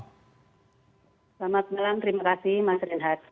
selamat malam terima kasih mas reinhardt